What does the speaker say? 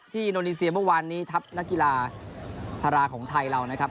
อินโดนีเซียเมื่อวานนี้ทัพนักกีฬาพาราของไทยเรานะครับ